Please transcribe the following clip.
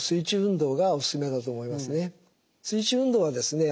水中運動はですね